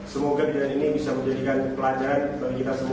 semoga kejadian ini bisa menjadikan pelajaran bagi kita semua